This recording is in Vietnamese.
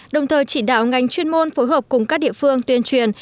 đồng thời chỉ đạo ngành chuyên môn phối hợp cùng các địa phương tuyên truyền